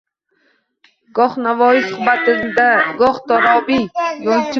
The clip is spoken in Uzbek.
Goh Navoiy suhbatingda, goh Torobiy, Yo’lchi goh